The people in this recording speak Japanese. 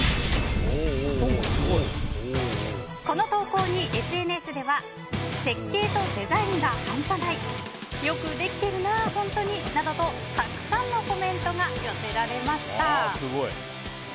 この投稿にＳＮＳでは設計とデザインが半端ないよくできてるなあ、本当になどとたくさんのコメントが寄せられました。